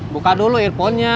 buka dulu earphonenya